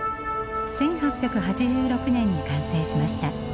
１８８６年に完成しました。